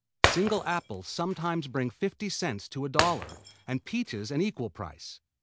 Single apples sometimes bring 50 cents to a dollar, and peaches an equal price.